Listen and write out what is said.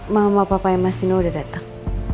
mama papa dan mas dino udah datang